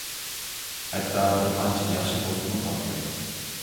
ھەتتا بىر قانچە ياخشى دوستمۇ تاپتىم.